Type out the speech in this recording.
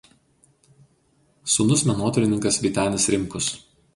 Sūnus menotyrininkas Vytenis Rimkus.